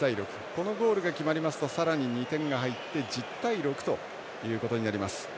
このゴールが決まりますとさらに２点が入って１０対６ということになります。